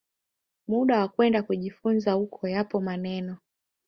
muda wa kwenda kujifunza huko Yapo maneno